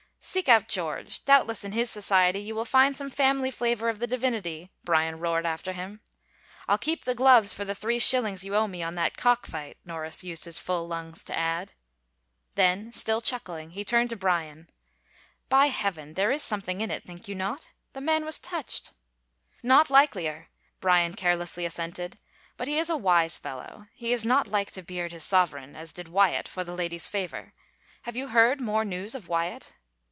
" Seek out George — doubtless in his society you will find some family flavor of the divinity !" Bryan roared after him. " I'll keep the gloves for the three shillings you owe me on that cock fight," Norris used his full lungs to add. Then, still chuckling, he turned to Bryan, " By Heaven, there is something in it — think you not? The man was touched !"" Naught likelier," Bryan carelessly assented. " But he is a wise fellow — he is not like to beard his sovereign, 155 THE FAVOR OF KINGS as did Wyatt, for the lady's favor. Have you heard more news of Wyatt?"